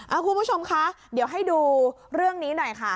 คุณผู้ชมคะเดี๋ยวให้ดูเรื่องนี้หน่อยค่ะ